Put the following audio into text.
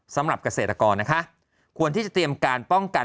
สำหรับเกษตรกรนะคะควรที่จะเตรียมการป้องกัน